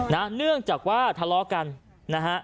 เนื่องจากว่าทะเลาะกันนะฮะ